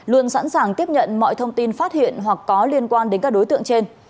luôn sẵn sàng tiếp nhận mọi thông tin phát hiện hoặc có liên quan đến các đối tượng trên